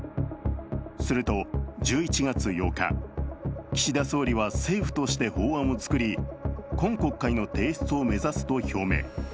すると１１月８日、岸田総理は政府として法案を作り今国会の提出を目指すと表明。